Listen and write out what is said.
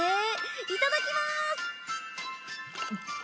いただきまーす！